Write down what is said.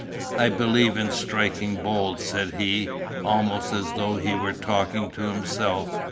"I believe in strikin' bold," said he, almost as though he were talking to himself.